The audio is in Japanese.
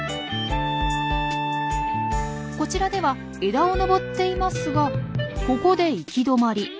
こちらでは枝を登っていますがここで行き止まり。